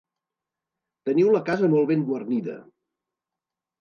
Teniu la casa molt ben guarnida!